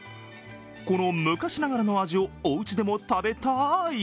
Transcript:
この昔ながらの味をおうちでも食べたい。